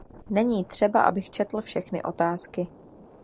Není třeba, abych četl všechny otázky.